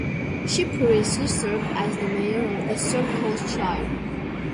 She previously served as the mayor of the Surf Coast Shire.